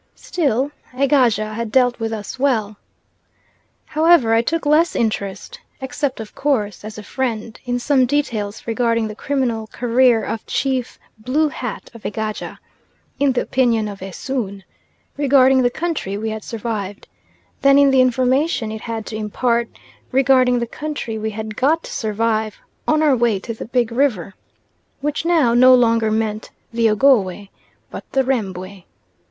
Still Egaja had dealt with us well. However I took less interest except, of course, as a friend, in some details regarding the criminal career of Chief Blue hat of Egaja in the opinion of Esoon regarding the country we had survived, than in the information it had to impart regarding the country we had got to survive on our way to the Big River, which now no longer meant the Ogowe, but the Rembwe.